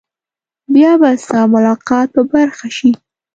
بیا به ستا ملاقات په برخه شي.